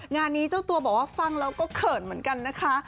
งานนี้เจ้าตัวบอกว่าฟังแล้วก็เขินเหมือนกันนะคะ